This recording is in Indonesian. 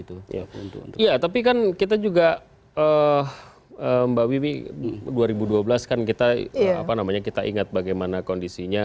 tapi kan kita juga mbak wiwi dua ribu dua belas kan kita ingat bagaimana kondisinya